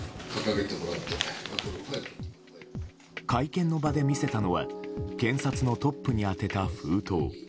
会見の場で見せたのは検察のトップに宛てた封筒。